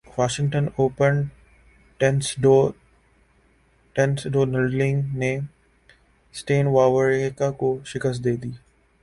Washington Open ٹینسڈونلڈینگ نے Stan Wawrinka کو شکست دیدی